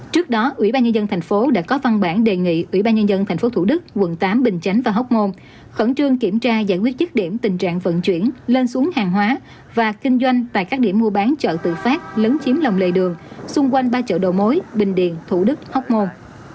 trước đó ủy ban nhân dân thành phố đã có văn bản đề nghị ủy ban nhân dân tp thủ đức quận tám bình chánh và hóc môn khẩn trương kiểm tra giải quyết chức điểm tình trạng vận chuyển lên xuống hàng hóa và kinh doanh tại các điểm mua bán chợ tự phát lấn chiếm lòng lề đường xung quanh ba chợ đầu mối bình điền thủ đức hóc môn